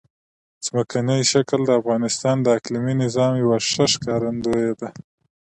ځمکنی شکل د افغانستان د اقلیمي نظام یوه ښه ښکارندوی ده.